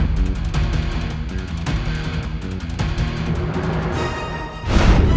tidak ada yang terjadi